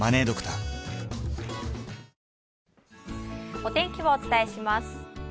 お天気をお伝えします。